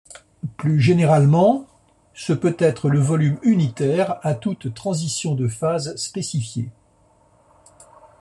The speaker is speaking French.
Plus généralement, ce peut être le volume unitaire à toute transition de phase spécifiée.